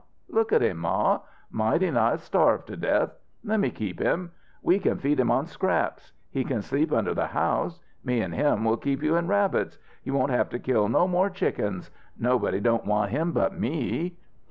Look at him, Ma. Mighty nigh starved to death. Lemme keep him. We can feed him on scraps. He can sleep under the house. Me an' him will keep you in rabbits. You won't have to kill no more chickens. Nobody don't want him but me!"